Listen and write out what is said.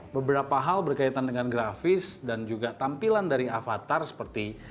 beberapa hal berkaitan dengan grafis dan juga tampilan dari avatar seperti